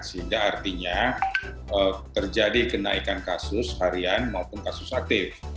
sehingga artinya terjadi kenaikan kasus harian maupun kasus aktif